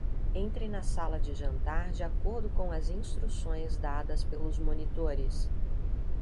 Entre na sala de jantar de acordo com as instruções dadas pelos monitores.